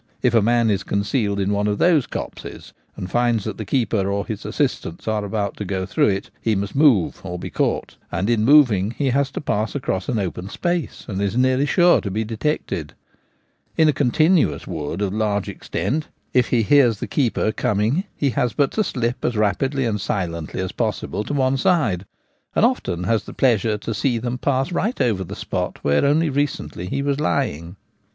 If a man is concealed in one of these copses, and finds that the keeper or his assistants are about to go through it, he must move or be caught ; and in moving he has to pass across an open space, and is nearly sure to be detected. Fir Plantations. 131 In a continuous wood of large extent, if he hears the keepers coming he has but to slip as rapidly and silently as possible to one side, and often has the pleasure to see them pass right over the spot where only recently he was lying.